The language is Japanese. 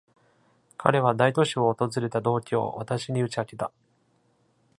彼は大都市を訪れた動機を私に打ち明けた。